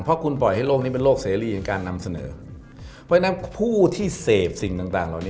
เพราะคุณปล่อยให้โลกนี้เป็นโลกเสรีอันการนำเสนอ